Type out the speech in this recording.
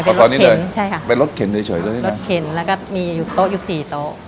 ซอยนี้เลยใช่ค่ะเป็นรถเข็นเฉยด้วยรถเข็นแล้วก็มีอยู่โต๊ะอยู่สี่โต๊ะ